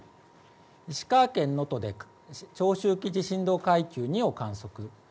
石川県能登で長周期地震動階級２を観測。